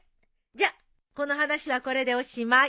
じゃあこの話はこれでおしまい。